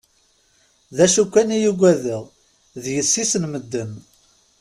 D acu kan i yugadeɣ, d yessi-s n medden.